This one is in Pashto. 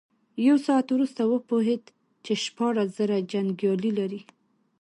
يو ساعت وروسته وپوهېد چې شپاړس زره جنيګالي لري.